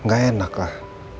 gak enak lah